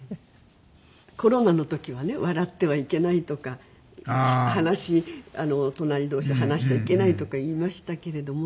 コロナの時はね笑ってはいけないとか話し隣同士で話しちゃいけないとか言いましたけれども。